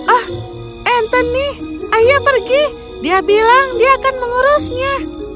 oh anthony ayo pergi dia bilang dia akan mengurusnya